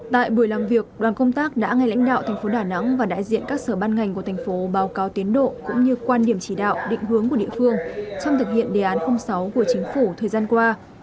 tại buổi làm việc đoàn công tác đã ngay lãnh đạo thành phố đà nẵng và đại diện các sở ban ngành của thành phố báo cáo tiến độ cũng như quan điểm chỉ đạo định hướng của địa phương trong thực hiện đề án sáu của chính phủ thời gian qua